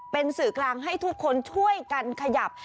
เป็นสื่อกลางให้ทุกคนช่วยกันขยับ